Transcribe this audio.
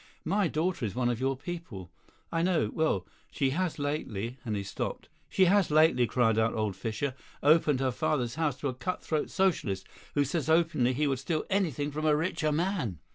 My daughter is one of your people, I know; well, she has lately " and he stopped. "She has lately," cried out old Fischer, "opened her father's house to a cut throat Socialist, who says openly he would steal anything from a richer man.